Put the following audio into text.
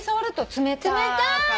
冷たい。